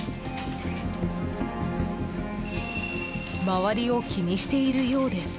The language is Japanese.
周りを気にしているようです。